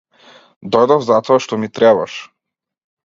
Дојдов затоа што ми требаш.